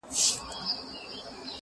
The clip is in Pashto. زه به سبا د کتابتون کتابونه ولوستم!.